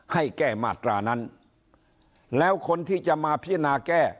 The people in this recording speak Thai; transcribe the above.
ให้แก้มาตรานั้นแล้วคนที่จะมาพิจารณาแก้